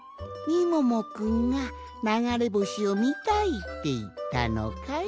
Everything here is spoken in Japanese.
みももくんがながれぼしをみたいっていったのかい？